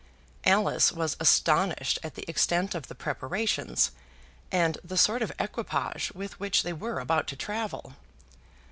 Alice was astonished at the extent of the preparations, and the sort of equipage with which they were about to travel.